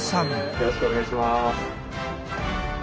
よろしくお願いします。